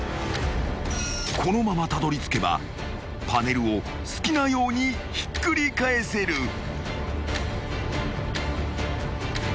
［このままたどりつけばパネルを好きなようにひっくり返せる］